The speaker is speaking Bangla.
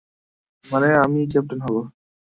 মানে, আমিই ক্যাপ্টেন হবো।